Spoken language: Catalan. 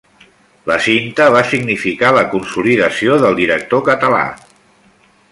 La cinta va significar la consolidació del director català.